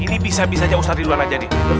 ini bisa bisa aja ustaz ridwan aja deh